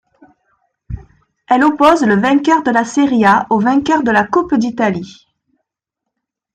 Elle oppose le vainqueur de la Série A au vainqueur de la Coupe d'Italie.